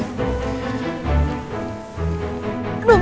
mas juga berat ini